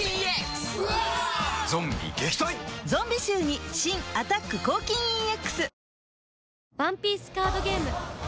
ゾンビ臭に新「アタック抗菌ＥＸ」